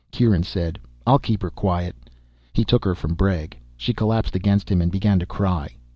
Kieran said, "I'll keep her quiet." He took her from Bregg. She collapsed against him and began to cry.